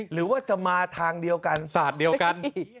หรือว่าจะมาทางเดียวกันศาสตร์เดียวกัน